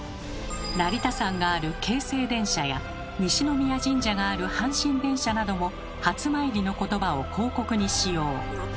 成田山がある京成電車や西宮神社がある阪神電車なども「はつまいり」の言葉を広告に使用。